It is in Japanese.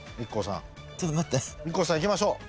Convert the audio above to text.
ＩＫＫＯさんいきましょう。